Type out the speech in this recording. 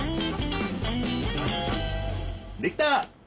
できた！